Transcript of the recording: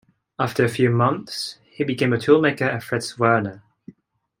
After a few months, he became a toolmaker at Fritz Werner.